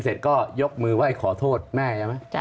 เสร็จก็ยกมือไว้ขอโทษแม่